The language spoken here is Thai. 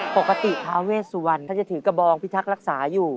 ปกติทาเวสวรถ้าจะถือกระบองพิทักษ์รักษาอยู่